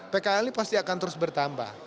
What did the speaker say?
pkl ini pasti akan terus bertambah